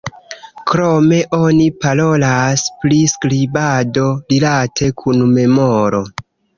Krome oni parolas pri skribado rilate kun memoro.